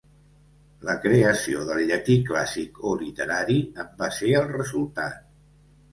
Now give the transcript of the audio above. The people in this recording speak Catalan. La creació del llatí clàssic o literari en va ser el resultat.